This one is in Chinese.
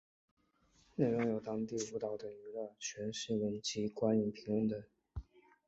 内容有当地舞台等娱乐圈新闻及观影评论等。